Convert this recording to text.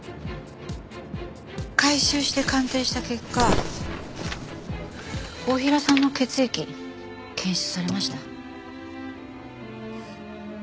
回収して鑑定した結果太平さんの血液検出されました。